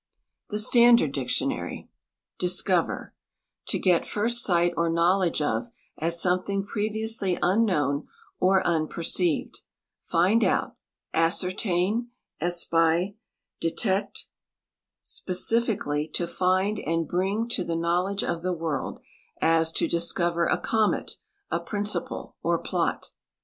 ( The Standard Dictionary) "Dlscover — To get first sight or knowledge of, as something previously unknown or unperceived; find out; ascertain; espy; detect; specific ally, to find and bring to the knowledge of the vsorld ; as, to discover a comet, a princii»le, or plot."